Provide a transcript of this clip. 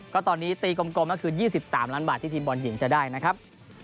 ก็ตอนนี้ตีกลมก็คือ๒๓ล้านบาทที่ทีมบอลหญิงจะได้นะครับ